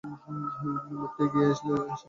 লোকটি এগিয়ে এসে নীলুর গায়ে হাত রাখল।